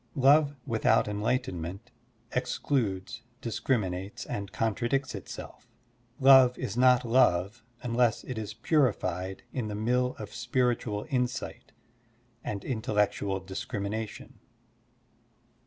Love without enlighten ment excludes, discriminates, and contradicts itself. Love is not love tmless it is purified in the mill of spiritual insight and intellectual discrimination.